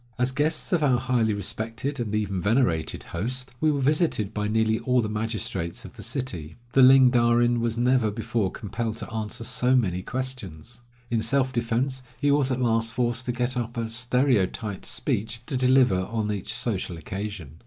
As guests of our highly respected and even venerated host, we were visited by nearly all the magistrates of the city. The Ling Darin was never before compelled to answer so many questions. In self defense he was at last forced to get up a stereotyped speech to deliver on each social occasion.